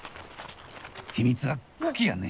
秘密は茎やね！